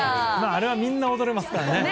あれはみんな踊れますからね。